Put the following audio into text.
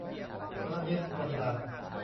คอลัมนิสต์คนดัง